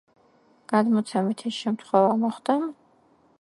გადმოცემით, ეს შემთხვევით მოხდა.